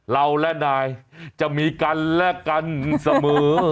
เราและนายจะมีกันและกันเสมอ